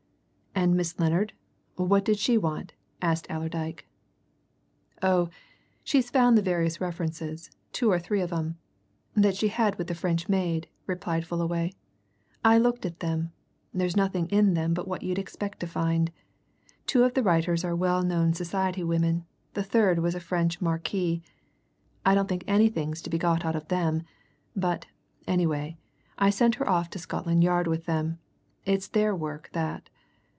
"And Miss Lennard what did she want?" asked Allerdyke. "Oh! she's found the various references two or three of 'em that she had with the French maid," replied Fullaway. "I looked at them there's nothing in them but what you'd expect to find. Two of the writers are well known society women, the third was a French marquise. I don't think anything's to be got out of them, but, anyway, I sent her off to Scotland Yard with them it's their work that.